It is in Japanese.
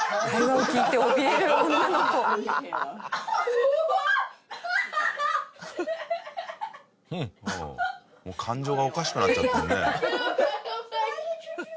もう感情がおかしくなっちゃってるね。